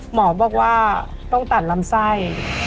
หมอบอกว่าต้องตัดลำไส้